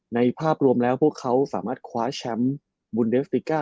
ในภาพรวมพวกเขาสามารถคว้าชั้มมุนเดนสติกา